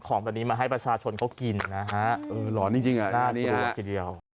ของตอนนี้มาให้ประสาทชนเขากินนะฮะหรอจริงอ่ะนี่อ่ะ